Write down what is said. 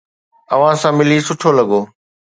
اوھان سان ملي سٺو لڳو